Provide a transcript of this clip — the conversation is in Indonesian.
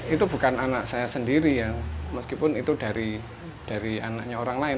itu bukan anak saya sendiri ya meskipun itu dari anaknya orang lain